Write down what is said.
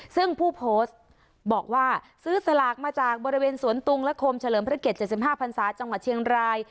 ซึ่งผู้โพสต์บอกว่าซื้อสลากมาจากบริเวณสวนตุงและโคมเฉลิมพระเกต๗๕พันศาจังหวัดเชียงราย